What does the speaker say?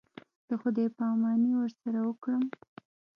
د خداى پاماني ورسره وكړم.